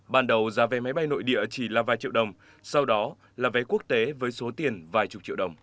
ban đầu giá vé máy bay nội địa chỉ là vài triệu đồng sau đó là vé quốc tế với số tiền vài chục triệu đồng